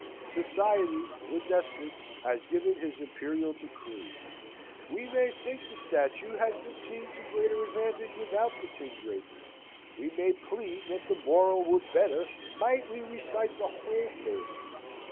Society, the despot, has given his imperial decree. We may think the statue had been seen to greater advantage without the tin drapery; we may plead that the moral were better might we recite the whole fable.